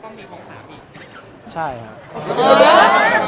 ก็ต้องมีคล้องสามผู้หญิง